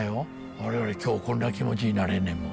我々今日こんな気持ちになれんねんもん。